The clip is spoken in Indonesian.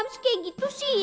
bisa kayak gitu sih